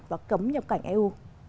và cấm nhập cảnh eu